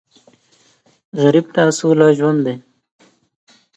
غریب ته سوله ژوند دی